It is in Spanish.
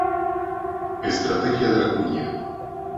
Estrategia de la cuña